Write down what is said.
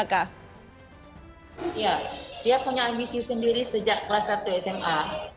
dia punya ambisi sendiri sejak kelas satu sma